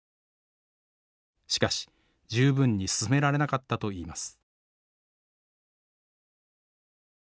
しかし十分に進められなかったといいます。